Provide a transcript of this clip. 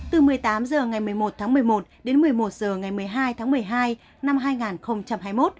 từ một mươi tám h ngày một mươi một tháng một mươi một đến một mươi một h ngày một mươi hai tháng một mươi hai năm hai nghìn hai mươi một